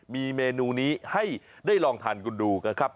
มีเมนูนี้ให้ได้ลองทานกันดูนะครับ